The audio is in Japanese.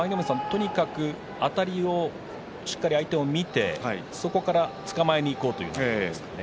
とにかくあたりをしっかり相手を見て、そこからつかまえにいこうという流れでしたね。